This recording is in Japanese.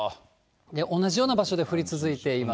同じような場所で降り続いています。